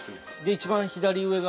一番左上が。